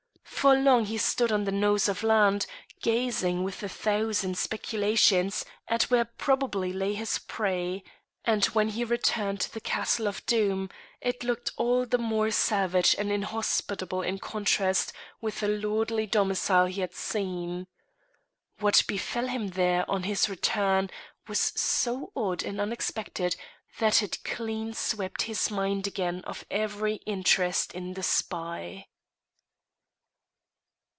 For long he stood on the nose of land, gazing with a thousand speculations at where probably lay his prey; and when he returned to the castle of Doom it looked all the more savage and inhospitable in contrast with the lordly domicile he had seen. What befell him there on his return was so odd and unexpected that it clean swept his mind again of every interest in the spy.